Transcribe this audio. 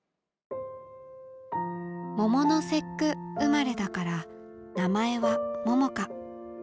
桃の節句生まれだから名前は桃佳。